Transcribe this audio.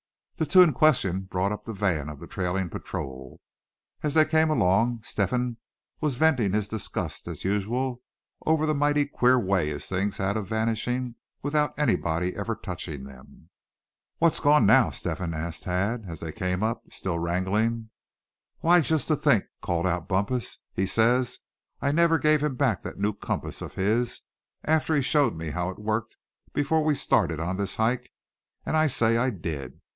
The two in question brought up the van of the trailing patrol. As they came along Step hen was venting his disgust as usual over the "mighty queer way" his things had of vanishing without anybody ever touching them. "What's gone now, Step hen?" asked Thad, as they came up, still wrangling. "Why, just to think," called out Bumpus, "he says I never gave him back that new compass of his, after he showed me how it worked, before we started on this hike; and I say I did.